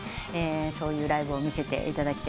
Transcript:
そういうライブを見せていただいて。